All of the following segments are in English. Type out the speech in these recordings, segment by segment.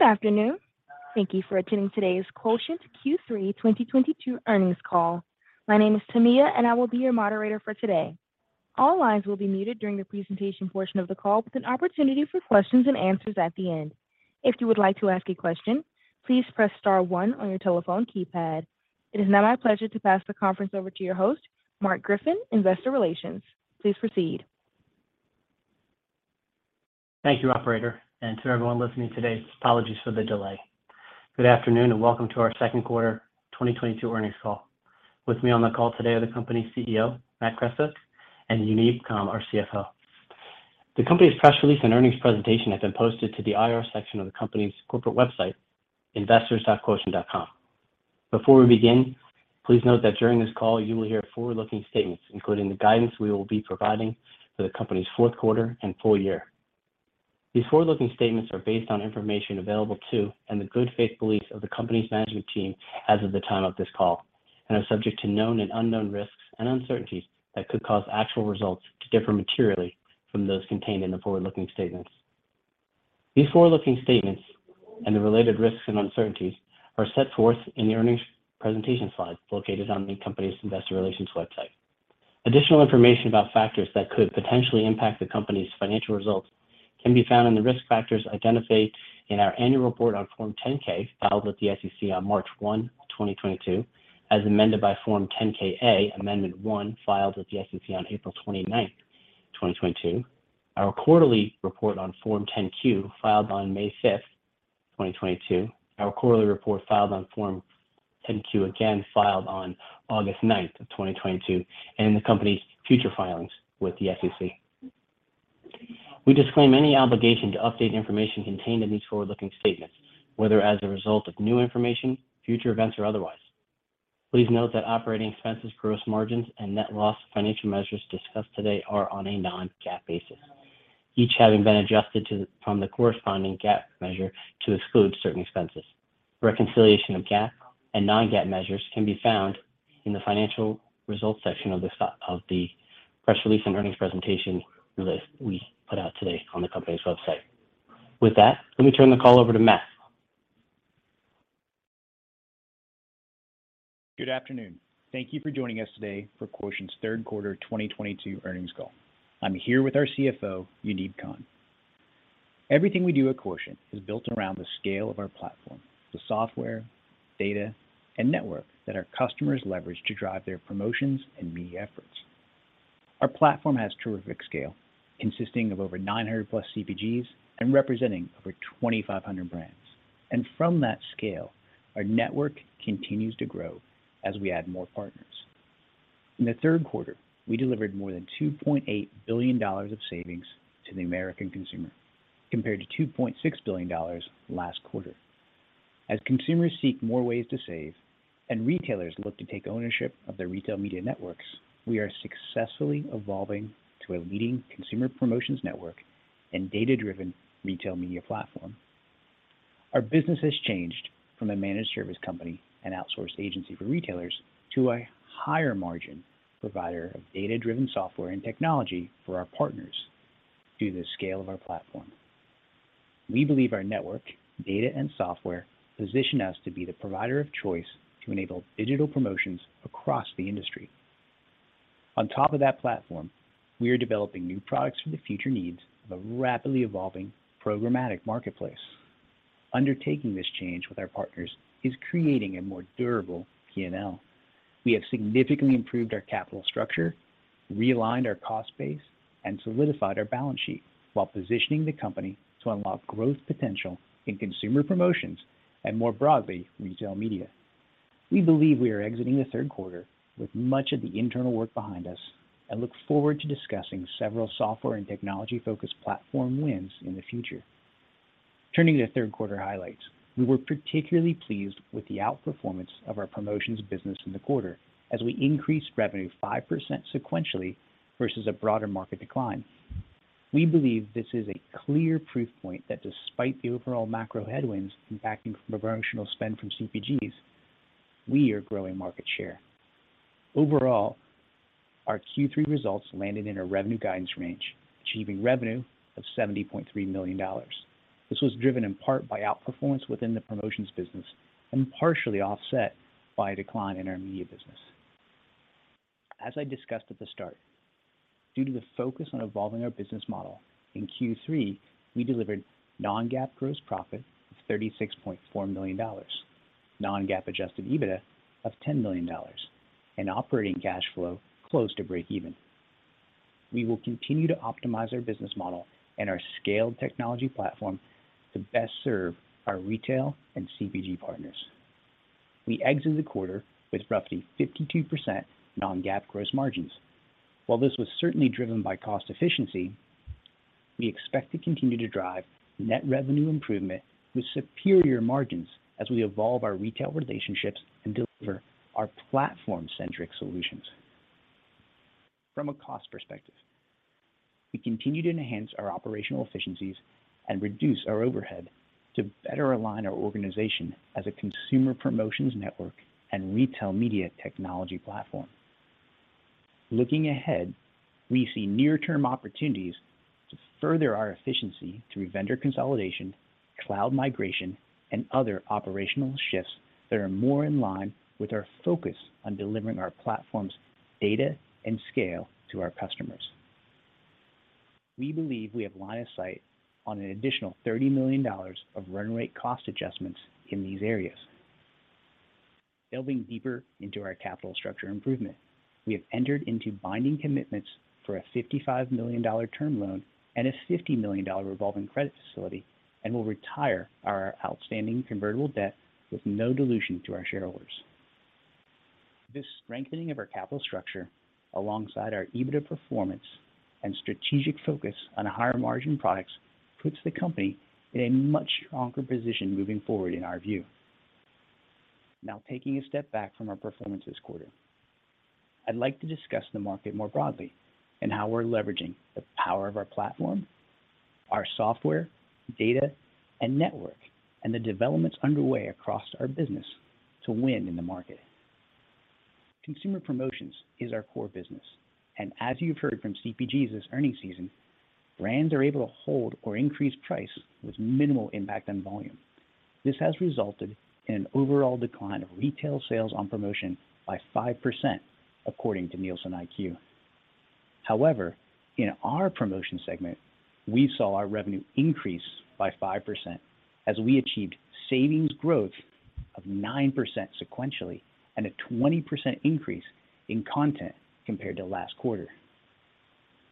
Good afternoon. Thank you for attending today's Quotient Q3 2022 Earnings Call. My name is Tamia, and I will be your moderator for today. All lines will be muted during the presentation portion of the call with an opportunity for questions and answers at the end. If you would like to ask a question, please press star one on your telephone keypad. It is now my pleasure to pass the conference over to your host, Marc Griffin, Investor Relations. Please proceed. Thank you, operator, and to everyone listening today, apologies for the delay. Good afternoon, and welcome to our second quarter 2022 earnings call. With me on the call today are the company's CEO, Matt Krepsik, and Yuneeb Khan, our CFO. The company's press release and earnings presentation have been posted to the IR section of the company's corporate website, investors.quotient.com. Before we begin, please note that during this call you will hear forward-looking statements, including the guidance we will be providing for the company's fourth quarter and full year. These forward-looking statements are based on information available to and the good faith beliefs of the company's management team as of the time of this call and are subject to known and unknown risks and uncertainties that could cause actual results to differ materially from those contained in the forward-looking statements. These forward-looking statements and the related risks and uncertainties are set forth in the earnings presentation slides located on the company's investor relations website. Additional information about factors that could potentially impact the company's financial results can be found in the risk factors identified in our annual report on Form 10-K, filed with the SEC on March 1, 2022, as amended by Form 10-K, Amendment 1, filed with the SEC on April 29, 2022, our quarterly report on Form 10-Q, filed on May 5, 2022, our quarterly report on Form 10-Q, filed on August 9, 2022, and in the company's future filings with the SEC. We disclaim any obligation to update information contained in these forward-looking statements, whether as a result of new information, future events, or otherwise. Please note that operating expenses, gross margins and net loss financial measures discussed today are on a non-GAAP basis, each having been adjusted from the corresponding GAAP measure to exclude certain expenses. Reconciliation of GAAP and non-GAAP measures can be found in the financial results section of the press release and earnings presentation release we put out today on the company's website. With that, let me turn the call over to Matt. Good afternoon. Thank you for joining us today for Quotient's Third Quarter 2022 Earnings Call. I'm here with our CFO, Yuneeb Khan. Everything we do at Quotient is built around the scale of our platform, the software, data, and network that our customers leverage to drive their promotions and media efforts. Our platform has terrific scale consisting of over 900+ CPGs and representing over 2,500 brands. From that scale, our network continues to grow as we add more partners. In the third quarter, we delivered more than $2.8 billion of savings to the American consumer, compared to $2.6 billion last quarter. As consumers seek more ways to save and retailers look to take ownership of their retail media networks, we are successfully evolving to a leading consumer promotions network and data-driven retail media platform. Our business has changed from a managed service company and outsourced agency for retailers to a higher margin provider of data-driven software and technology for our partners through the scale of our platform. We believe our network, data and software position us to be the provider of choice to enable digital promotions across the industry. On top of that platform, we are developing new products for the future needs of a rapidly evolving programmatic marketplace. Undertaking this change with our partners is creating a more durable P&L. We have significantly improved our capital structure, realigned our cost base, and solidified our balance sheet while positioning the company to unlock growth potential in consumer promotions and more broadly, retail media. We believe we are exiting the third quarter with much of the internal work behind us and look forward to discussing several software and technology focused platform wins in the future. Turning to third quarter highlights. We were particularly pleased with the outperformance of our promotions business in the quarter as we increased revenue 5% sequentially versus a broader market decline. We believe this is a clear proof point that despite the overall macro headwinds impacting promotional spend from CPGs, we are growing market share. Overall, our Q3 results landed in our revenue guidance range, achieving revenue of $70.3 million. This was driven in part by outperformance within the promotions business and partially offset by a decline in our media business. As I discussed at the start, due to the focus on evolving our business model, in Q3, we delivered non-GAAP gross profit of $36.4 million, non-GAAP adjusted EBITDA of $10 million, and operating cash flow close to breakeven. We will continue to optimize our business model and our scaled technology platform to best serve our retail and CPG partners. We exit the quarter with roughly 52% non-GAAP gross margins. While this was certainly driven by cost efficiency, we expect to continue to drive net revenue improvement with superior margins as we evolve our retail relationships and deliver our platform centric solutions. From a cost perspective, we continue to enhance our operational efficiencies and reduce our overhead to better align our organization as a consumer promotions network and retail media technology platform. Looking ahead, we see near-term opportunities to further our efficiency through vendor consolidation, cloud migration, and other operational shifts that are more in line with our focus on delivering our platform's data and scale to our customers. We believe we have line of sight on an additional $30 million of run rate cost adjustments in these areas. Delving deeper into our capital structure improvement, we have entered into binding commitments for a $55 million term loan and a $50 million revolving credit facility and will retire our outstanding convertible debt with no dilution to our shareholders. This strengthening of our capital structure alongside our EBITDA performance and strategic focus on higher margin products puts the company in a much stronger position moving forward in our view. Now taking a step back from our performance this quarter, I'd like to discuss the market more broadly and how we're leveraging the power of our platform, our software, data, and network and the developments underway across our business to win in the market. Consumer promotions is our core business, and as you've heard from CPGs this earnings season, brands are able to hold or increase price with minimal impact on volume. This has resulted in an overall decline of retail sales on promotion by 5% according to NielsenIQ. However, in our promotion segment, we saw our revenue increase by 5% as we achieved savings growth of 9% sequentially and a 20% increase in content compared to last quarter.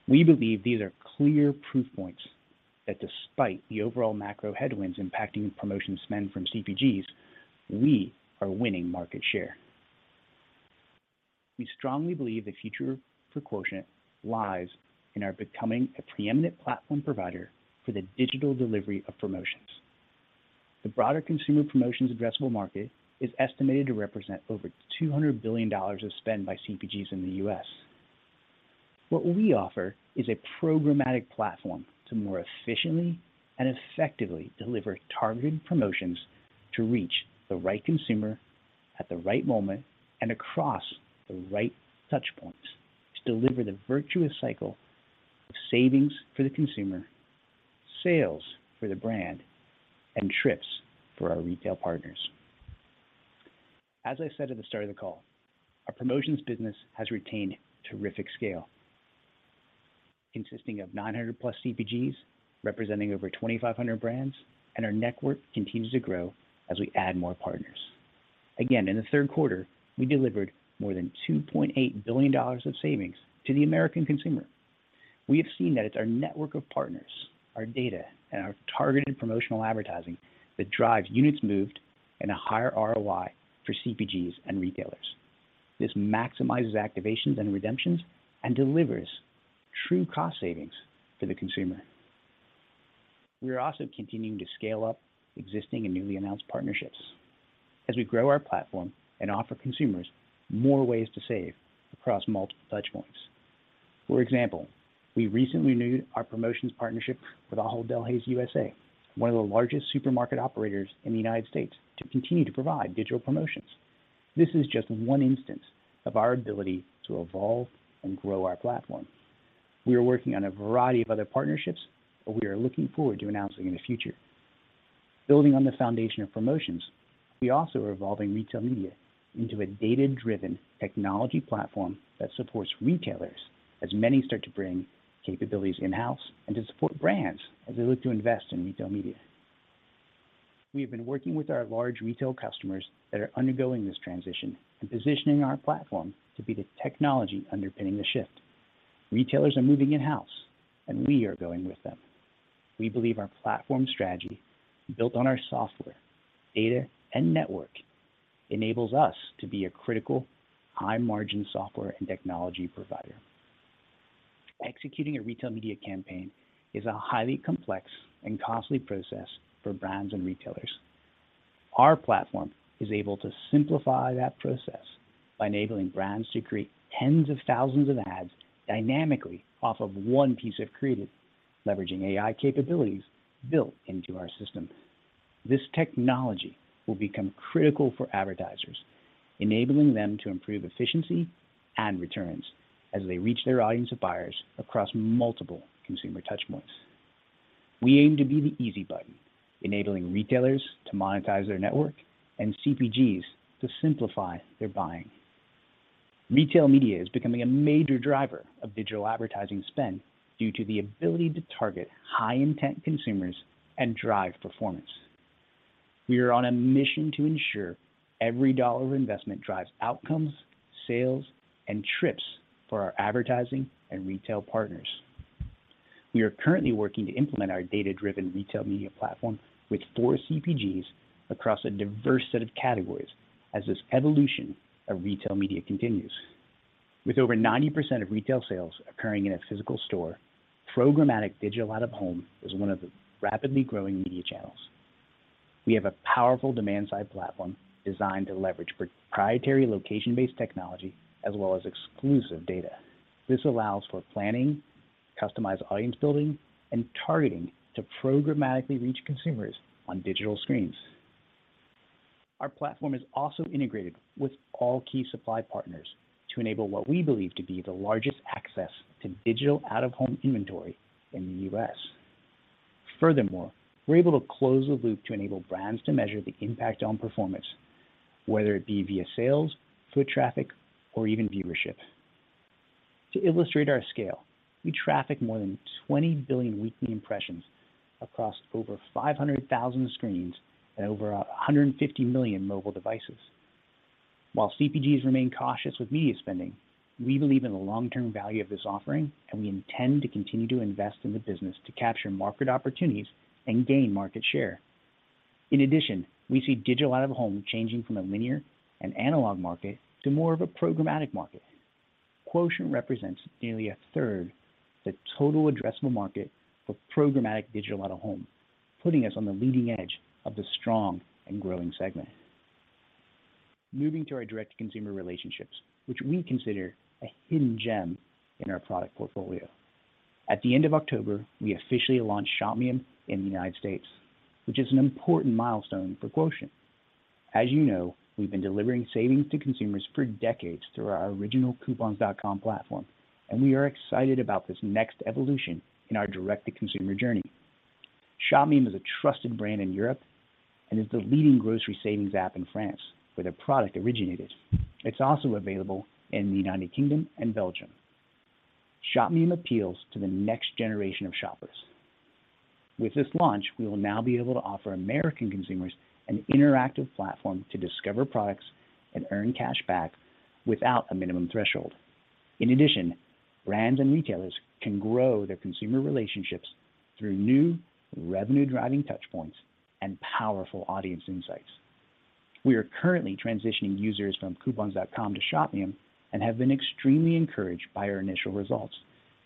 We believe these are clear proof points that despite the overall macro headwinds impacting promotion spend from CPGs, we are winning market share. We strongly believe the future for Quotient lies in our becoming a preeminent platform provider for the digital delivery of promotions. The broader consumer promotions addressable market is estimated to represent over $200 billion of spend by CPGs in the U.S. What we offer is a programmatic platform to more efficiently and effectively deliver targeted promotions to reach the right consumer at the right moment and across the right touchpoints to deliver the virtuous cycle of savings for the consumer, sales for the brand, and trips for our retail partners. As I said at the start of the call, our promotions business has retained terrific scale, consisting of 900+ CPGs, representing over 2,500 brands, and our network continues to grow as we add more partners. Again, in the third quarter, we delivered more than $2.8 billion of savings to the American consumer. We have seen that it's our network of partners, our data, and our targeted promotional advertising that drives units moved and a higher ROI for CPGs and retailers. This maximizes activations and redemptions and delivers true cost savings for the consumer. We are also continuing to scale up existing and newly announced partnerships as we grow our platform and offer consumers more ways to save across multiple touchpoints. For example, we recently renewed our promotions partnership with Ahold Delhaize USA, one of the largest supermarket operators in the United States, to continue to provide digital promotions. This is just one instance of our ability to evolve and grow our platform. We are working on a variety of other partnerships that we are looking forward to announcing in the future. Building on the foundation of promotions, we also are evolving retail media into a data-driven technology platform that supports retailers as many start to bring capabilities in-house and to support brands as they look to invest in retail media. We have been working with our large retail customers that are undergoing this transition and positioning our platform to be the technology underpinning the shift. Retailers are moving in-house and we are going with them. We believe our platform strategy built on our software, data, and network enables us to be a critical high-margin software and technology provider. Executing a retail media campaign is a highly complex and costly process for brands and retailers. Our platform is able to simplify that process by enabling brands to create tens of thousands of ads dynamically off of one piece of creative, leveraging AI capabilities built into our system. This technology will become critical for advertisers, enabling them to improve efficiency and returns as they reach their audience of buyers across multiple consumer touchpoints. We aim to be the easy button, enabling retailers to monetize their network and CPGs to simplify their buying. Retail media is becoming a major driver of digital advertising spend due to the ability to target high intent consumers and drive performance. We are on a mission to ensure every dollar of investment drives outcomes, sales, and trips for our advertising and retail partners. We are currently working to implement our data-driven retail media platform with four CPGs across a diverse set of categories as this evolution of retail media continues. With over 90% of retail sales occurring in a physical store, programmatic digital out-of-home is one of the rapidly growing media channels. We have a powerful demand-side platform designed to leverage proprietary location-based technology as well as exclusive data. This allows for planning, customized audience building, and targeting to programmatically reach consumers on digital screens. Our platform is also integrated with all key supply partners to enable what we believe to be the largest access to digital out-of-home inventory in the U.S. Furthermore, we're able to close the loop to enable brands to measure the impact on performance, whether it be via sales, foot traffic, or even viewership. To illustrate our scale, we traffic more than 20 billion weekly impressions across over 500,000 screens and over 150 million mobile devices. While CPGs remain cautious with media spending, we believe in the long-term value of this offering, and we intend to continue to invest in the business to capture market opportunities and gain market share. In addition, we see digital out-of-home changing from a linear and analog market to more of a programmatic market. Quotient represents nearly a third the total addressable market for programmatic digital out-of-home, putting us on the leading edge of the strong and growing segment. Moving to our direct consumer relationships, which we consider a hidden gem in our product portfolio. At the end of October, we officially launched Shopmium in the United States, which is an important milestone for Quotient. As you know, we've been delivering savings to consumers for decades through our original Coupons.com platform, and we are excited about this next evolution in our direct-to-consumer journey. Shopmium is a trusted brand in Europe and is the leading grocery savings app in France, where their product originated. It's also available in the United Kingdom and Belgium. Shopmium appeals to the next generation of shoppers. With this launch, we will now be able to offer American consumers an interactive platform to discover products and earn cashback without a minimum threshold. In addition, brands and retailers can grow their consumer relationships through new revenue-driving touchpoints and powerful audience insights. We are currently transitioning users from Coupons.com to Shopmium and have been extremely encouraged by our initial results,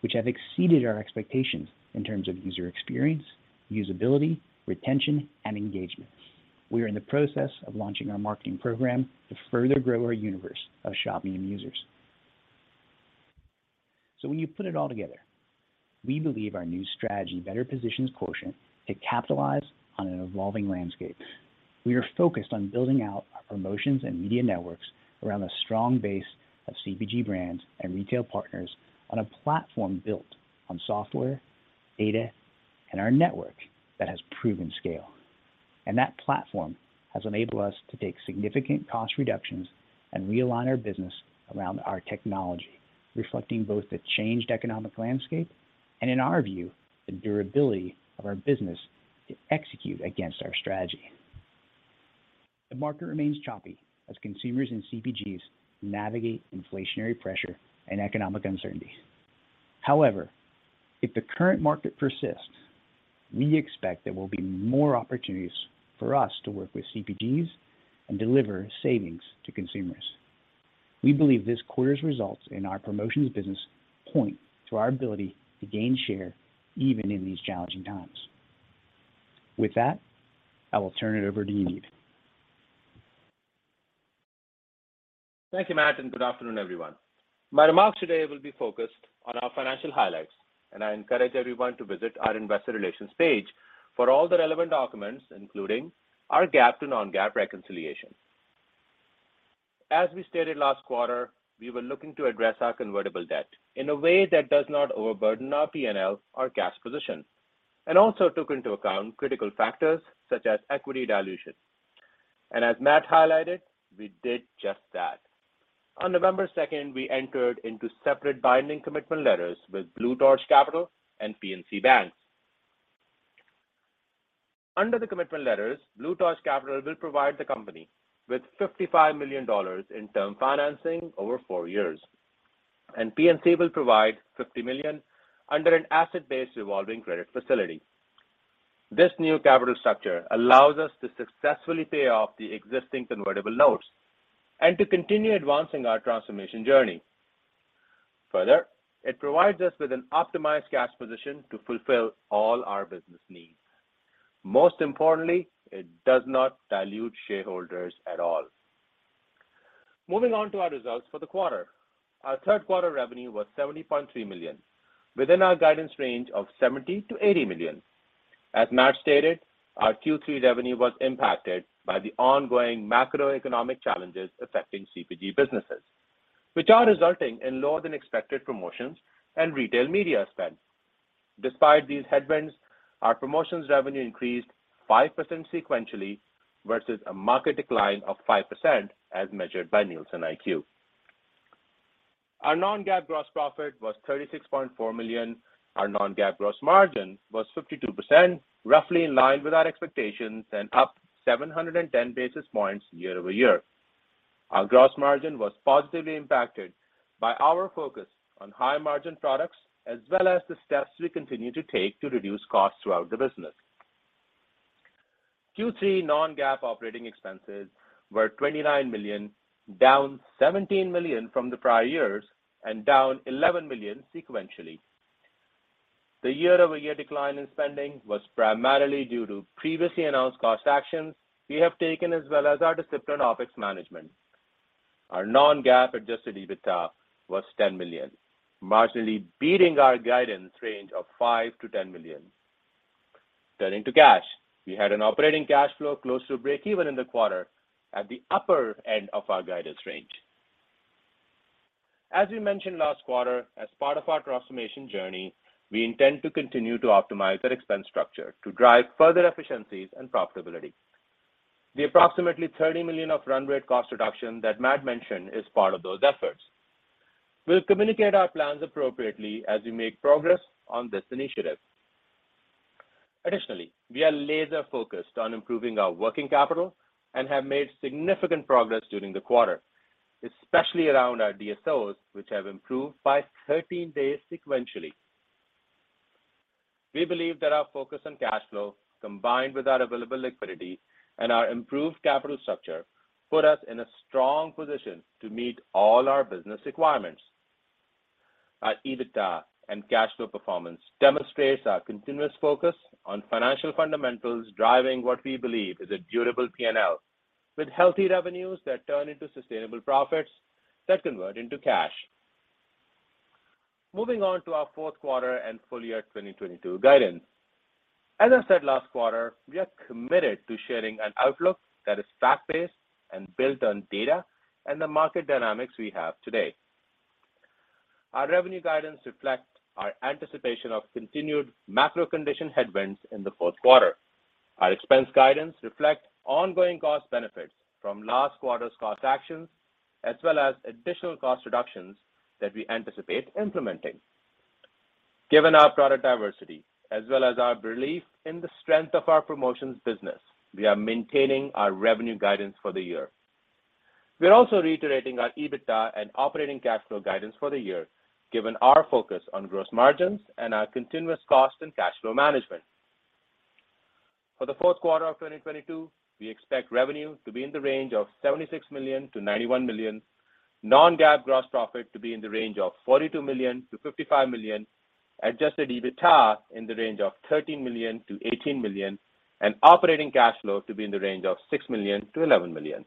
which have exceeded our expectations in terms of user experience, usability, retention, and engagement. We are in the process of launching our marketing program to further grow our universe of Shopmium users. When you put it all together, we believe our new strategy better positions Quotient to capitalize on an evolving landscape. We are focused on building out our promotions and media networks around a strong base of CPG brands and retail partners on a platform built on software, data, and our network that has proven scale. That platform has enabled us to take significant cost reductions and realign our business around our technology, reflecting both the changed economic landscape and, in our view, the durability of our business to execute against our strategy. The market remains choppy as consumers and CPGs navigate inflationary pressure and economic uncertainty. However, if the current market persists, we expect there will be more opportunities for us to work with CPGs and deliver savings to consumers. We believe this quarter's results in our promotions business point to our ability to gain share even in these challenging times. With that, I will turn it over to Yuneeb. Thank you, Matt, and good afternoon, everyone. My remarks today will be focused on our financial highlights, and I encourage everyone to visit our investor relations page for all the relevant documents, including our GAAP to non-GAAP reconciliation. As we stated last quarter, we were looking to address our convertible debt in a way that does not overburden our P&L or cash position and also took into account critical factors such as equity dilution. As Matt highlighted, we did just that. On November second, we entered into separate binding commitment letters with Blue Torch Capital and PNC Bank. Under the commitment letters, Blue Torch Capital will provide the company with $55 million in term financing over four years, and PNC will provide $50 million under an asset-based revolving credit facility. This new capital structure allows us to successfully pay off the existing convertible notes and to continue advancing our transformation journey. Further, it provides us with an optimized cash position to fulfill all our business needs. Most importantly, it does not dilute shareholders at all. Moving on to our results for the quarter. Our third quarter revenue was $70.3 million, within our guidance range of $70 million-$80 million. As Matt stated, our Q3 revenue was impacted by the ongoing macroeconomic challenges affecting CPG businesses, which are resulting in lower than expected promotions and retail media spend. Despite these headwinds, our promotions revenue increased 5% sequentially versus a market decline of 5% as measured by NielsenIQ. Our non-GAAP gross profit was $36.4 million. Our non-GAAP gross margin was 52%, roughly in line with our expectations and up 710 basis points year-over-year. Our gross margin was positively impacted by our focus on high margin products as well as the steps we continue to take to reduce costs throughout the business. Q3 non-GAAP operating expenses were $29 million, down $17 million from the prior years and down $11 million sequentially. The year-over-year decline in spending was primarily due to previously announced cost actions we have taken as well as our disciplined OpEx management. Our non-GAAP adjusted EBITDA was $10 million, marginally beating our guidance range of $5 million-$10 million. Turning to cash, we had an operating cash flow close to breakeven in the quarter at the upper end of our guidance range. As we mentioned last quarter, as part of our transformation journey, we intend to continue to optimize our expense structure to drive further efficiencies and profitability. The approximately $30 million of run rate cost reduction that Matt mentioned is part of those efforts. We'll communicate our plans appropriately as we make progress on this initiative. Additionally, we are laser-focused on improving our working capital and have made significant progress during the quarter, especially around our DSOs, which have improved by 13 days sequentially. We believe that our focus on cash flow, combined with our available liquidity and our improved capital structure, put us in a strong position to meet all our business requirements. Our EBITDA and cash flow performance demonstrates our continuous focus on financial fundamentals driving what we believe is a durable P&L, with healthy revenues that turn into sustainable profits that convert into cash. Moving on to our fourth quarter and full year 2022 guidance. As I said last quarter, we are committed to sharing an outlook that is fact-based and built on data and the market dynamics we have today. Our revenue guidance reflects our anticipation of continued macro condition headwinds in the fourth quarter. Our expense guidance reflect ongoing cost benefits from last quarter's cost actions, as well as additional cost reductions that we anticipate implementing. Given our product diversity as well as our belief in the strength of our promotions business, we are maintaining our revenue guidance for the year. We are also reiterating our EBITDA and operating cash flow guidance for the year, given our focus on gross margins and our continuous cost and cash flow management. For the fourth quarter of 2022, we expect revenue to be in the range of $76 million-$91 million, non-GAAP gross profit to be in the range of $42 million-$55 million, adjusted EBITDA in the range of $13 million-$18 million, and operating cash flow to be in the range of $6 million-$11 million.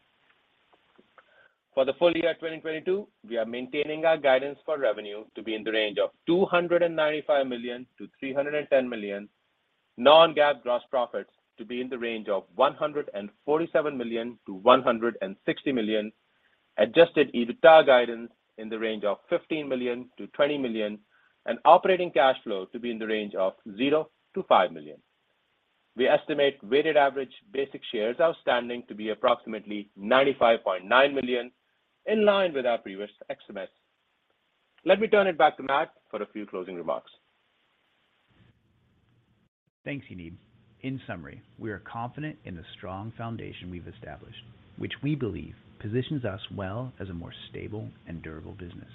For the full year 2022, we are maintaining our guidance for revenue to be in the range of $295 million-$310 million, non-GAAP gross profits to be in the range of $147 million-$160 million, adjusted EBITDA guidance in the range of $15 million-$20 million, and operating cash flow to be in the range of $0-$5 million. We estimate weighted average basic shares outstanding to be approximately 95.9 million, in line with our previous estimates. Let me turn it back to Matt for a few closing remarks. Thanks, Yuneeb. In summary, we are confident in the strong foundation we've established, which we believe positions us well as a more stable and durable business.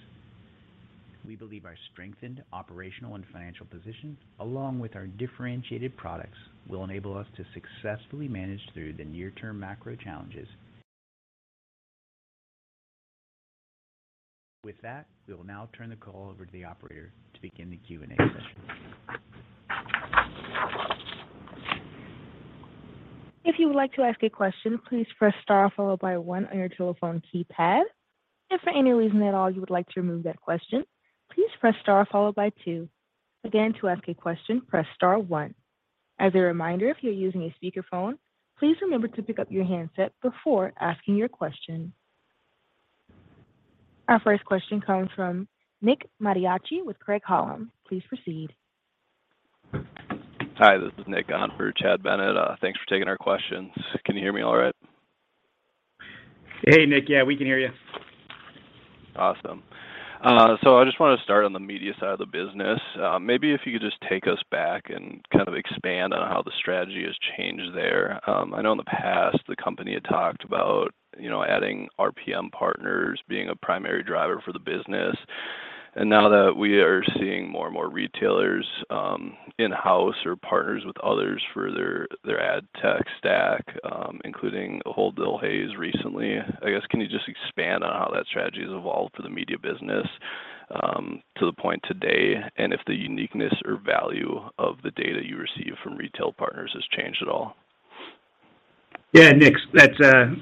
We believe our strengthened operational and financial position, along with our differentiated products, will enable us to successfully manage through the near-term macro challenges. With that, we will now turn the call over to the operator to begin the Q&A session. If you would like to ask a question, please press star followed by one on your telephone keypad. If for any reason at all you would like to remove that question, please press star followed by two. Again, to ask a question, press star one. As a reminder, if you're using a speakerphone, please remember to pick up your handset before asking your question. Our first question comes from Nick Mattiacci with Craig-Hallum. Please proceed. Hi, this is Nick on for Chad Bennett. Thanks for taking our questions. Can you hear me all right? Hey, Nick. Yeah, we can hear you. Awesome. I just want to start on the media side of the business. Maybe if you could just take us back and kind of expand on how the strategy has changed there. I know in the past the company had talked about, you know, adding RPM partners being a primary driver for the business. Now that we are seeing more and more retailers, in-house or partners with others for their ad tech stack, including Ahold Delhaize recently, I guess, can you just expand on how that strategy has evolved for the media business, to the point today, and if the uniqueness or value of the data you receive from retail partners has changed at all? Yeah, Nick, that's.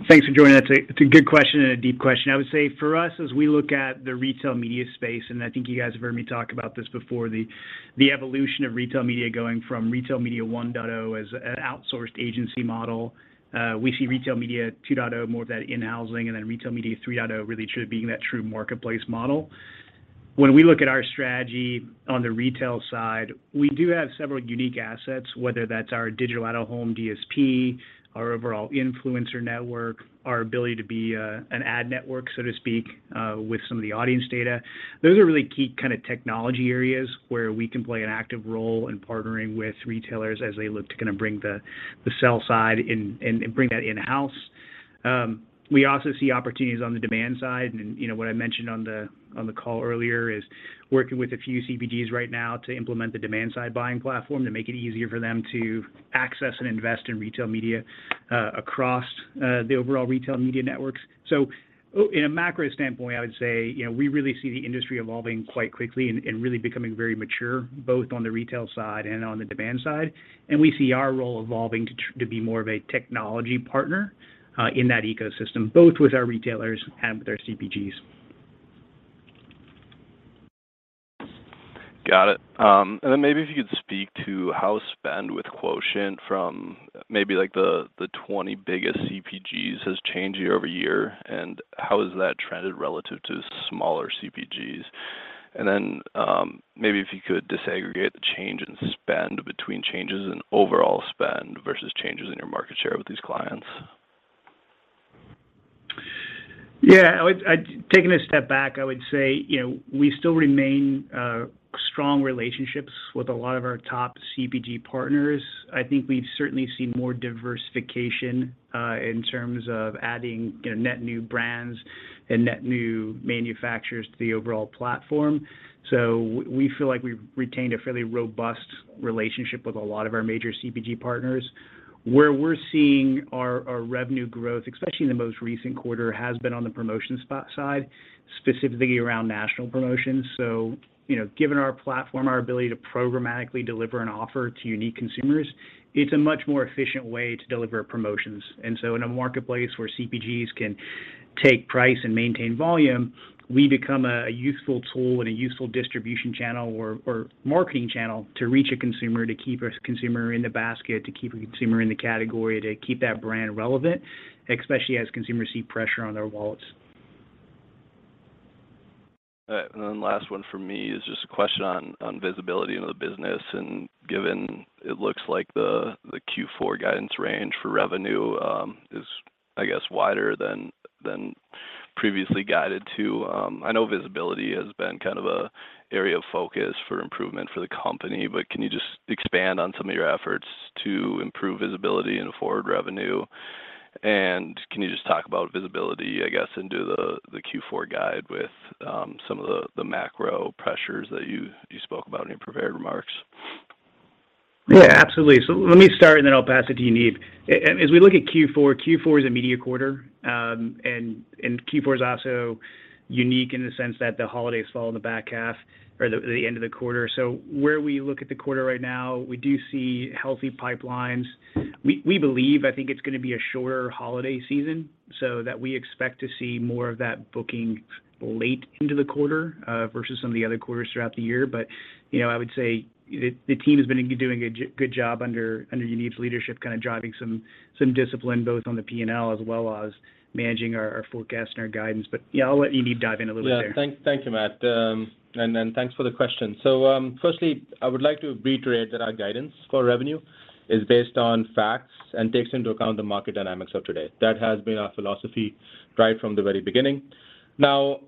Thanks for joining. That's a good question and a deep question. I would say for us, as we look at the retail media space, and I think you guys have heard me talk about this before, the evolution of retail media going from retail media 1.0 as an outsourced agency model. We see retail media 2.0 more of that in-housing and then retail media 3.0 really being that true marketplace model. When we look at our strategy on the retail side, we do have several unique assets, whether that's our digital out-of-home DSP, our overall influencer network, our ability to be an ad network, so to speak, with some of the audience data. Those are really key kind of technology areas where we can play an active role in partnering with retailers as they look to kind of bring the sell side in and bring that in-house. We also see opportunities on the demand side and, you know, what I mentioned on the call earlier is working with a few CPGs right now to implement the demand side buying platform to make it easier for them to access and invest in retail media across the overall retail media networks. In a macro standpoint, I would say, you know, we really see the industry evolving quite quickly and really becoming very mature, both on the retail side and on the demand side. We see our role evolving to be more of a technology partner in that ecosystem, both with our retailers and with our CPGs. Got it. Maybe if you could speak to how spend with Quotient from maybe like the 20 biggest CPGs has changed year-over-year, and how has that trended relative to smaller CPGs? Maybe if you could disaggregate the change in spend between changes in overall spend versus changes in your market share with these clients. Taking a step back, I would say, you know, we still remain strong relationships with a lot of our top CPG partners. I think we've certainly seen more diversification in terms of adding, you know, net new brands and net new manufacturers to the overall platform. We feel like we've retained a fairly robust relationship with a lot of our major CPG partners. Where we're seeing our revenue growth, especially in the most recent quarter, has been on the promotion side, specifically around national promotions. Given our platform, our ability to programmatically deliver an offer to unique consumers, it's a much more efficient way to deliver promotions. In a marketplace where CPGs can take price and maintain volume, we become a useful tool and a useful distribution channel or marketing channel to reach a consumer, to keep a consumer in the basket, to keep a consumer in the category, to keep that brand relevant, especially as consumers see pressure on their wallets. All right. Then last one from me is just a question on visibility into the business. Given it looks like the Q4 guidance range for revenue is I guess wider than previously guided too. I know visibility has been kind of an area of focus for improvement for the company, but can you just expand on some of your efforts to improve visibility into forward revenue? Can you just talk about visibility, I guess, into the Q4 guide with some of the macro pressures that you spoke about in your prepared remarks? Yeah, absolutely. Let me start, and then I'll pass it to Yuneeb. As we look at Q4 is a media quarter. Q4 is also unique in the sense that the holidays fall in the back half or the end of the quarter. Where we look at the quarter right now, we do see healthy pipelines. We believe, I think it's gonna be a shorter holiday season, so that we expect to see more of that booking late into the quarter, versus some of the other quarters throughout the year. You know, I would say the team has been doing a good job under Yuneeb's leadership, kind of driving some discipline both on the P&L as well as managing our forecast and our guidance. Yeah, I'll let Yuneeb dive in a little bit there. Yeah. Thank you, Matt. Thanks for the question. Firstly, I would like to reiterate that our guidance for revenue is based on facts and takes into account the market dynamics of today. That has been our philosophy right from the very beginning. Now,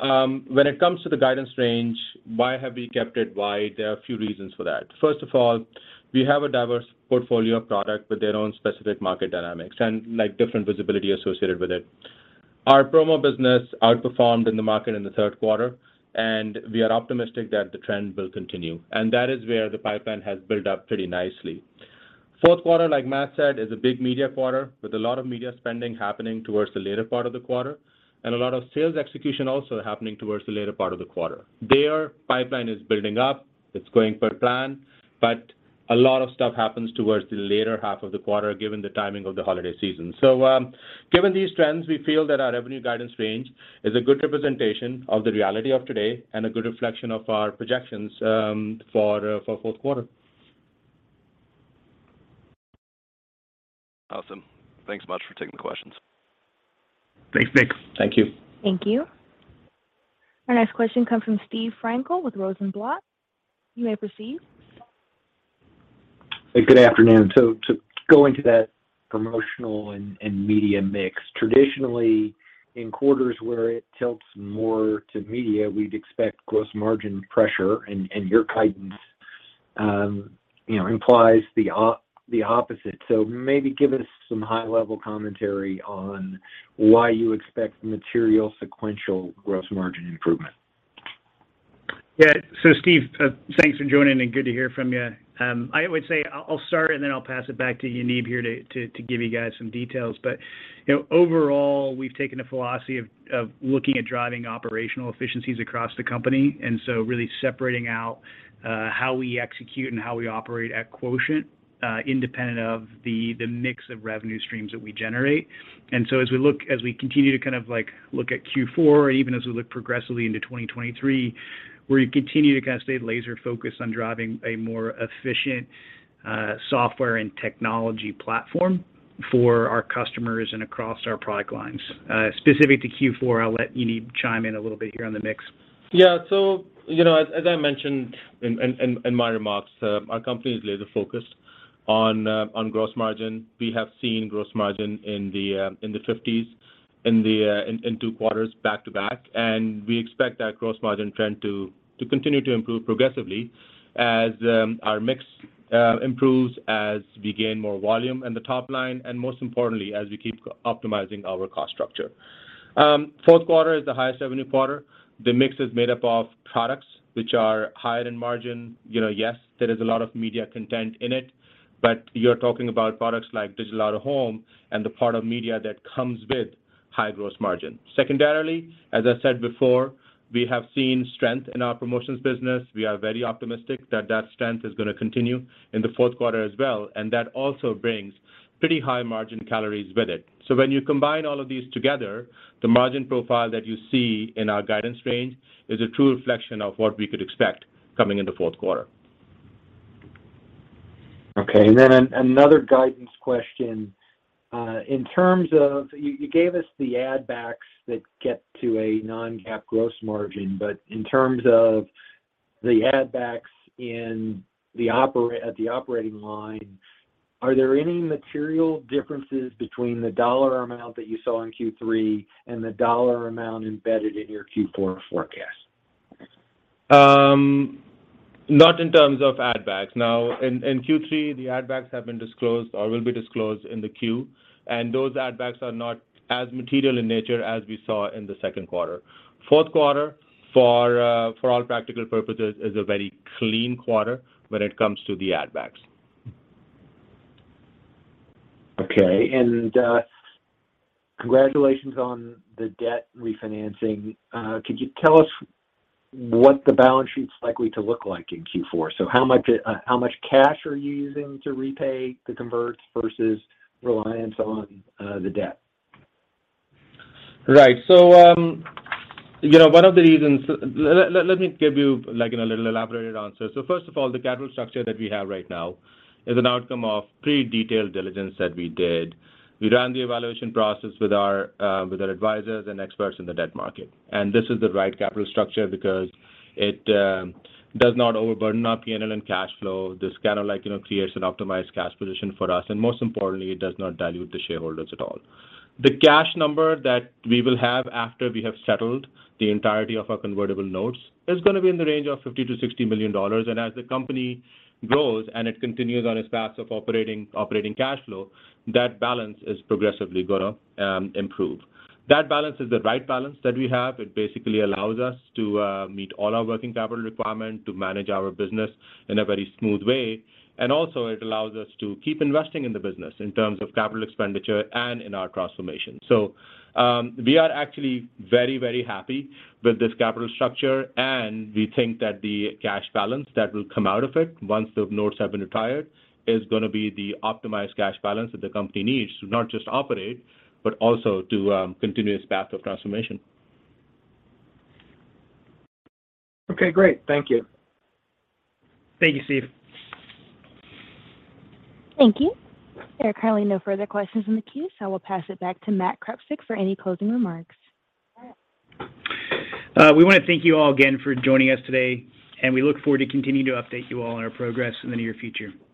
when it comes to the guidance range, why have we kept it wide? There are a few reasons for that. First of all, we have a diverse portfolio of product with their own specific market dynamics and, like, different visibility associated with it. Our promo business outperformed in the market in the third quarter, and we are optimistic that the trend will continue, and that is where the pipeline has built up pretty nicely. Fourth quarter, like Matt said, is a big media quarter with a lot of media spending happening towards the later part of the quarter, and a lot of sales execution also happening towards the later part of the quarter. The pipeline is building up. It's going per plan, but a lot of stuff happens towards the later half of the quarter, given the timing of the holiday season. Given these trends, we feel that our revenue guidance range is a good representation of the reality of today and a good reflection of our projections for fourth quarter. Awesome. Thanks much for taking the questions. Thanks, Nick. Thank you. Thank you. Our next question comes from Steve Frankel with Rosenblatt. You may proceed. Good afternoon. To go into that promotional and media mix, traditionally in quarters where it tilts more to media, we'd expect gross margin pressure and your guidance, you know, implies the opposite. Maybe give us some high level commentary on why you expect material sequential gross margin improvement. Yeah. Steve, thanks for joining and good to hear from you. I would say I'll start, and then I'll pass it back to Yuneeb here to give you guys some details. You know, overall, we've taken a philosophy of looking at driving operational efficiencies across the company, and so really separating out how we execute and how we operate at Quotient, independent of the mix of revenue streams that we generate. As we continue to kind of, like, look at Q4, or even as we look progressively into 2023, we continue to kind of stay laser focused on driving a more efficient software and technology platform for our customers and across our product lines. Specific to Q4, I'll let Yuneeb chime in a little bit here on the mix. Yeah. You know, as I mentioned in my remarks, our company is laser focused on gross margin. We have seen gross margin in the 50s in two quarters back to back. We expect that gross margin trend to continue to improve progressively as our mix improves, as we gain more volume in the top line, and most importantly, as we keep optimizing our cost structure. Fourth quarter is the highest revenue quarter. The mix is made up of products which are higher in margin. You know, yes, there is a lot of media content in it, but you're talking about products like digital out-of-home and the part of media that comes with high gross margin. Secondarily, as I said before, we have seen strength in our promotions business. We are very optimistic that that strength is gonna continue in the fourth quarter as well, and that also brings pretty high margin calories with it. When you combine all of these together, the margin profile that you see in our guidance range is a true reflection of what we could expect coming into fourth quarter. Okay. Another guidance question. In terms of, you gave us the add backs that get to a non-GAAP gross margin, but in terms of the add backs in the operating line, are there any material differences between the dollar amount that you saw in Q3 and the dollar amount embedded in your Q4 forecast? Not in terms of add backs. Now, in Q3, the add backs have been disclosed or will be disclosed in the Q, and those add backs are not as material in nature as we saw in the second quarter. Fourth quarter, for all practical purposes, is a very clean quarter when it comes to the add backs. Okay. Congratulations on the debt refinancing. Could you tell us what the balance sheet's likely to look like in Q4? How much cash are you using to repay the converts versus reliance on the debt? Right. You know, one of the reasons. Let me give you, like, in a little elaborate answer. First of all, the capital structure that we have right now is an outcome of pretty detailed diligence that we did. We ran the evaluation process with our advisors and experts in the debt market. This is the right capital structure because it does not overburden our P&L and cash flow. This kinda, like, you know, creates an optimized cash position for us, and most importantly, it does not dilute the shareholders at all. The cash number that we will have after we have settled the entirety of our convertible notes is gonna be in the range of $50 million-$60 million. As the company grows, and it continues on its path of operating cash flow, that balance is progressively gonna improve. That balance is the right balance that we have. It basically allows us to meet all our working capital requirement to manage our business in a very smooth way. It allows us to keep investing in the business in terms of capital expenditure and in our transformation. We are actually very, very happy with this capital structure, and we think that the cash balance that will come out of it once the notes have been retired is gonna be the optimized cash balance that the company needs to not just operate, but also to continue its path of transformation. Okay, great. Thank you. Thank you, Steve. Thank you. There are currently no further questions in the queue, so I will pass it back to Matt Krepsik for any closing remarks. We wanna thank you all again for joining us today, and we look forward to continuing to update you all on our progress in the near future. Thank you.